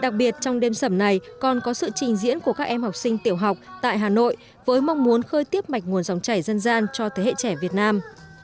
đặc biệt trong đêm sẩm này còn có sự trình diễn của các em học sinh tiểu học tại hà nội với mong muốn khơi tiếp mạch nguồn dòng chảy dân gian cho thế hệ trẻ việt nam